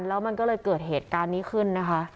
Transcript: แล้วก็เลยเกิดเหตุการณ์นี้ขึ้น